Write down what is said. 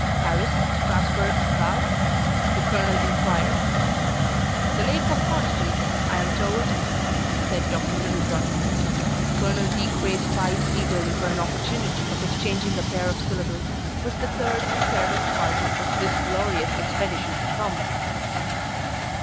"Paris, Strasburg, Basle?" the colonel inquired. "The Lake of Constance, I am told," said Dr. Middleton. Colonel De Craye spied eagerly for an opportunity of exchanging a pair of syllables with the third and fairest party of this glorious expedition to come.